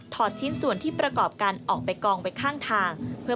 ชิ้นส่วนที่ประกอบกันออกไปกองไปข้างทาง